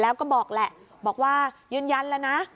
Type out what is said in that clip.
แล้วก็บอกแหละบอกว่ายืนยันแล้วนะ